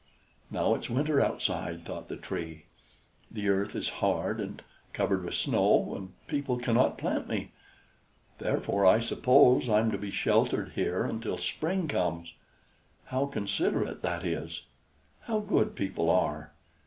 "Now it's winter outside," thought the Tree. "The earth is hard and covered with snow, and people cannot plant me; therefore I suppose I'm to be sheltered here until spring comes. How considerate that is! How good people are!